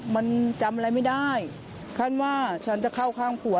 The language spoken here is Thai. มันจำอะไรไม่ได้คาดว่าฉันจะเข้าข้างผัว